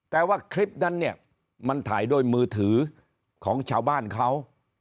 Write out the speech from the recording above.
แต่ว่าคลิปนั้นเนี่ยมันถ่ายด้วยมือถือของชาวบ้านเขา